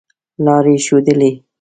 لاري ښودلې.